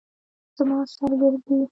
زما سر ګرځي